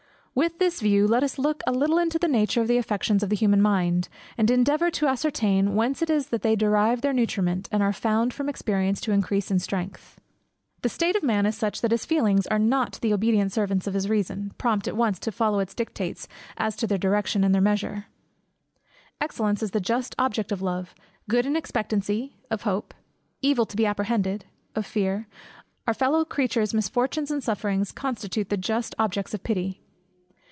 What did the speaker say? With this view, let us look a little into the nature of the affections of the human mind, and endeavour to ascertain whence it is that they derive their nutriment, and are found from experience to increase in strength. The state of man is such, that his feelings are not the obedient servants of his reason, prompt at once to follow its dictates, as to their direction, and their measure. Excellence is the just object of love; good in expectancy, of hope; evil to be apprehended, of fear; our fellow creatures' misfortunes, and sufferings, constitute the just objects of pity.